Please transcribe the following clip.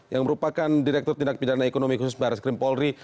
yang merupakan direktur tindak pidana ekonomi khusus baris krim polri